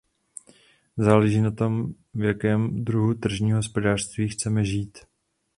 Záleží na tom, v jakém druhu tržního hospodářství chceme žít.